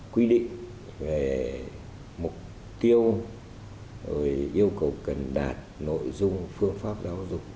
quy định về mục tiêu yêu cầu cần đạt nội dung phương pháp giáo dục